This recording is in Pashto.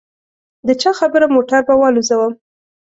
د چا خبره موټر به والوزووم.